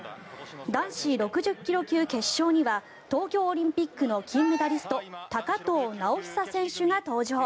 男子６０ｋｇ級決勝には東京オリンピックの金メダリスト高藤直寿選手が登場。